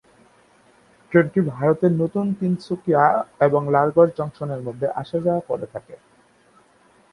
ট্রেনটি ভারতের নতুন তিনসুকিয়া এবং লালগড় জংশনের মধ্যে আসা যাওয়া করে থাকে।